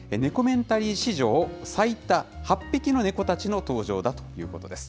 ネコメンタリー史上最多８匹の猫たちの登場だということです。